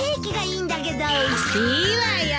いいわよ！